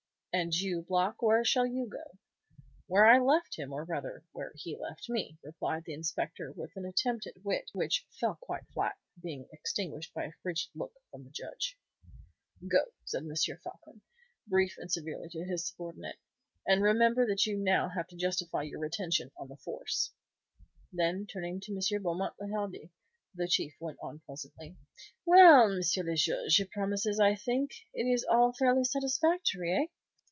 "And you, Block, where shall you go?" "Where I left him, or rather where he left me," replied the inspector, with an attempt at wit, which fell quite flat, being extinguished by a frigid look from the Judge. "Go," said M. Floçon, briefly and severely, to his subordinate; "and remember that you have now to justify your retention on the force." Then, turning to M. Beaumont le Hardi, the Chief went on pleasantly: "Well, M. le Juge, it promises, I think; it is all fairly satisfactory, eh?"